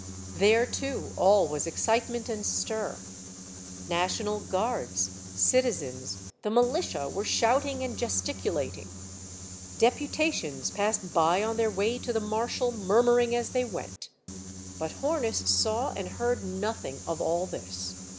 IV. There, too, all was excitement and stir. Na tional guards, citizens, the militia were shouting and gesticulating. Deputations passed by on their way to the marshal murmuring as they went. But Hornus saw and heard nothing of all this.